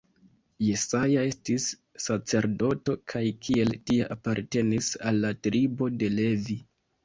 Jesaja estis sacerdoto kaj kiel tia apartenis al la tribo de Levi.